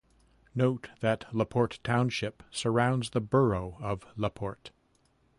Note that Laporte Township surrounds the borough of Laporte.